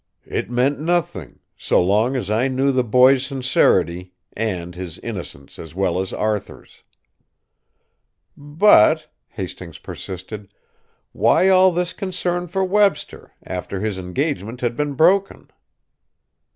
It meant nothing, so long as I knew the boy's sincerity and his innocence as well as Arthur's." "But," Hastings persisted, "why all this concern for Webster, after his engagement had been broken?"